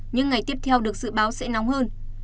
những ngày tiếp theo được dự báo sẽ nóng hơn